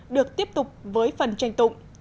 được tiếp tục với phần tranh tụng